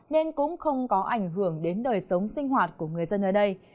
nên cũng không có ảnh hưởng đến đời sống sinh hoạt của người dân ở đây